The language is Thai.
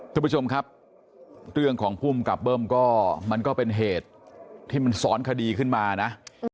ทุกผู้ชมครับเรื่องของภูมิกับเบิ้มก็มันก็เป็นเหตุที่มันซ้อนคดีขึ้นมานะ